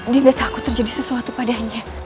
dinda takut terjadi sesuatu padanya